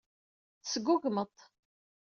Tesgugmeḍ-t.